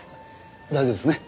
大丈夫ですね？